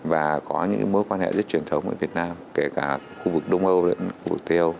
và có những mối quan hệ rất truyền thống với việt nam kể cả khu vực đông âu khu vực tây âu